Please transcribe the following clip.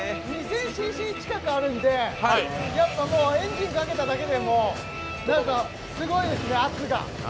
２０００ｃｃ近くあるのでエンジンかけただけでもすごいですね、圧が。